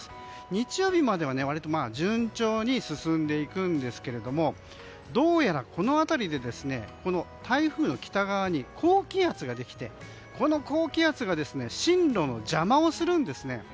日曜日までは割と順調に進んでいくんですがどうやら、この辺りで台風の北側に高気圧ができてこの高気圧が進路の邪魔をするんですね。